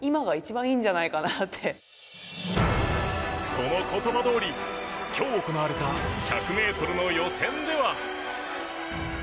その言葉どおり今日行われた１００ｍの予選では。